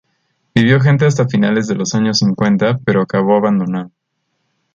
Vivió gente hasta finales de los años cincuenta pero acabó abandonado.